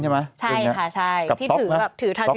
เป็นการกระตุ้นการไหลเวียนของเลือด